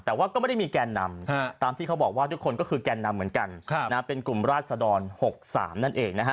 แต่ว่าก็ไม่ได้มีแกนนำตามที่เขาบอกว่าทุกคนก็คือแกนนำเหมือนกันเป็นกลุ่มราชดร๖๓นั่นเองนะฮะ